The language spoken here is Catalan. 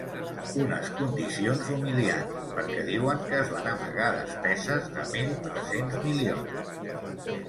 Unes condicions humiliants perquè diuen que es van amagar despeses de mil tres-cents milions.